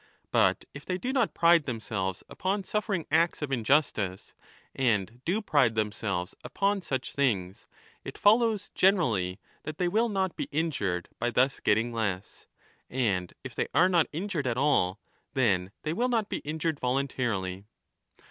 But if they do not pride themselves upon suffering acts of injustice and do pride themselves upon such things, it follows generally that they will not be injured by thus getting less. And if they are not injured at all, then they will not be injured voluntarily.